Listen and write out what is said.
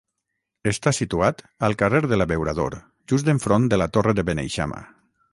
Està situat al carrer de l'Abeurador, just enfront de la torre de Beneixama.